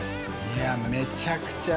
めちゃくちゃ。